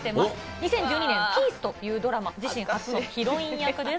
２０１２年、Ｐｉｅｃｅというドラマ、自身初のヒロイン役です。